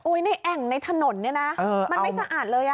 ในแอ่งในถนนเนี่ยนะมันไม่สะอาดเลย